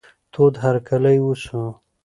تود هرکلی وسو.